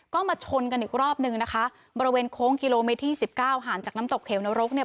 ก็มาชนกันอีกรอบนึงนะคะบริเวณโค้งกิโลเมตรที่สิบเก้าห่างจากน้ำตกเหวนรกเนี่ย